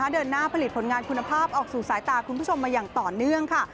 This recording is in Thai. เดินหน้าผลิตผลงานคุณภาพออกสู่สายตาคุณผู้ชมมาอย่างต่อเนื่องค่ะ